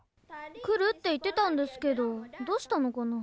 来るって言ってたんですけどどうしたのかな？